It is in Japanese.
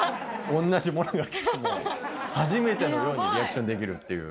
同じものがきても、初めてのようにリアクションできるっていう。